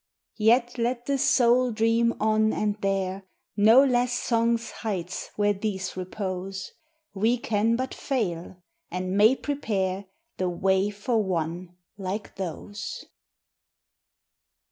_ _Yet let the soul dream on and dare No less Song's heights where these repose: We can but fail; and may prepare The way for one like those.